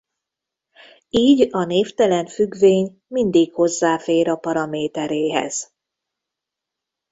Így a névtelen függvény mindig hozzáfér a paraméteréhez.